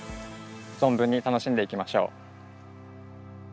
存分に楽しんでいきましょう。